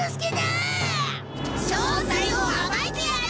正体をあばいてやる！